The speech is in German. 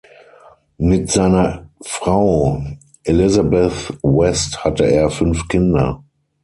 Mit seiner Frau Elizabeth West hatte er fünf Kinder.